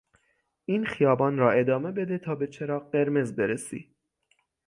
این خیابان را ادامه بده تا به چراغ قرمز برسی.